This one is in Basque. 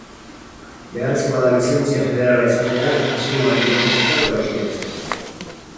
Beharrezkoa da lizentzia federala izatea kasino bat irekitzeko eta ustiatzeko.